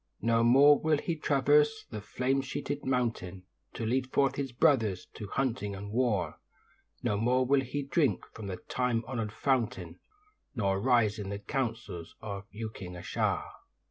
No more will he traverse the flame sheeted mountain, To lead forth his brothers to hunting and war; No more will he drink from the time honoured fountain, Nor rise in the councils of Uking a shaa.